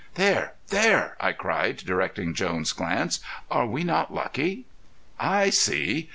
"There! There!" I cried, directing Jones' glance. "Are we not lucky?" "I see.